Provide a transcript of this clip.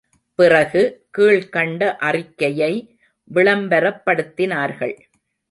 பிறகு, கீழ்க்கண்ட அறிக்கையை விளம்பரப்படுத்தினார்கள்.